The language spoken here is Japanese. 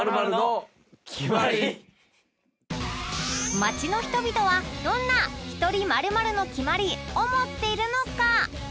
街の人々はどんなひとり○○のキマリを持っているのか？